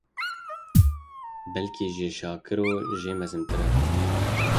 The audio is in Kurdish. Belkî ji Şakiro jî mezintir e.